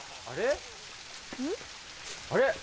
あれ？